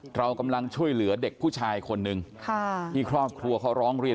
เรากำลังช่วยเหลือเด็กผู้ชายคนหนึ่งที่ครอบครัวเขาร้องเรียน